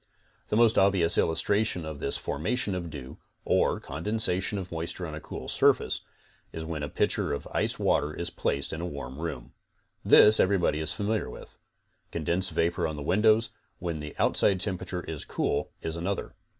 The most obvious illustration of this formation of dew, or condensation of moisture on a cool surface, is when a pitcher of ice water is placed in a warm room. This everybody is familiar with. Condensed vapor on the windows, when the outside tem perature is cool, is another.